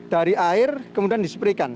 dari air kemudian disepirkan